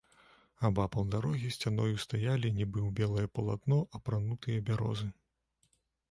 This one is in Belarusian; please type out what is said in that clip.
Абапал дарогі сцяною стаялі, нібы ў белае палатно апранутыя, бярозы.